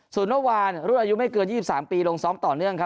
ส่วนเมื่อวานรุ่นอายุไม่เกิน๒๓ปีลงซ้อมต่อเนื่องครับ